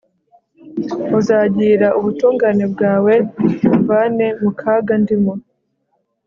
uzagirira ubutungane bwawe umvane mu kaga ndimo